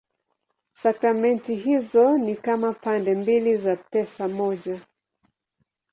Sakramenti hizo ni kama pande mbili za pesa moja.